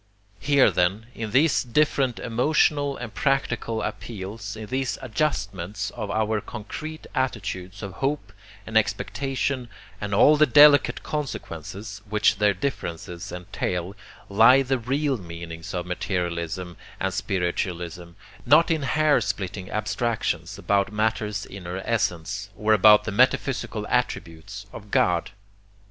Here then, in these different emotional and practical appeals, in these adjustments of our concrete attitudes of hope and expectation, and all the delicate consequences which their differences entail, lie the real meanings of materialism and spiritualism not in hair splitting abstractions about matter's inner essence, or about the metaphysical attributes of God.